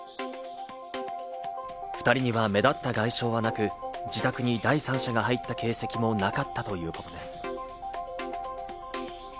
２人には目立った外傷はなく、自宅に第三者が入った形跡もなかったということです。